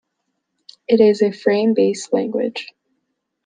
It is a frame-based language.